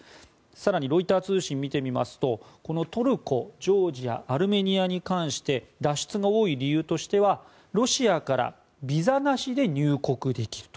更にロイター通信見てみますとトルコ、ジョージアアルメニアに関して脱出が多い理由としてはロシアからビザなしで入国できる。